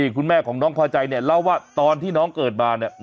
คุณแม่ของน้องพอใจเนี่ยเล่าว่าตอนที่น้องเกิดมาเนี่ย